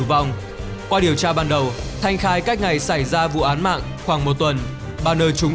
tử vong qua điều tra ban đầu thanh khai cách ngày xảy ra vụ án mạng khoảng một tuần bà n trúng